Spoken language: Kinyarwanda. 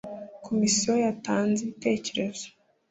komisiyo yatanze ibitekerezo